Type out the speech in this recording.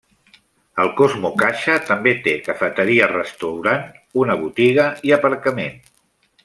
El CosmoCaixa també té cafeteria-restaurant, una botiga i aparcament.